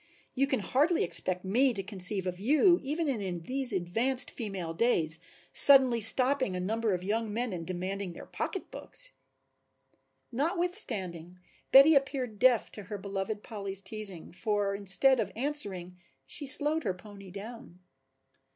You can hardly expect me to conceive of you, even in these advanced female days, suddenly stopping a number of young men and demanding their pocketbooks." Notwithstanding Betty appeared deaf to her beloved Polly's teasing, for instead of answering she slowed her pony down.